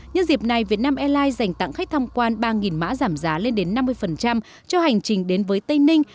nhân dịp này việt nam airlines dành tặng khách tham quan ba mã giảm giá lên đến năm mươi cho hành trình đến với tây ninh